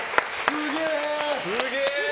すげえ！